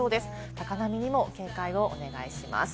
高波にも警戒をお願いします。